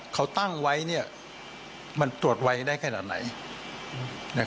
เขาตั้งไว้มันตรวจไวได้ขนาดไหน